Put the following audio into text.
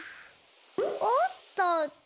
おっとっと。